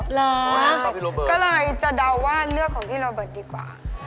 เหรอก็เลยจะเดาว่าเลือกของพี่โรเบิร์ตดีกว่า